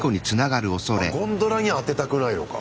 あゴンドラには当てたくないのか。